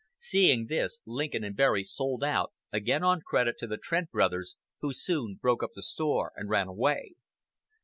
Seeing this, Lincoln and Berry sold out, again on credit, to the Trent brothers, who soon broke up the store and ran away.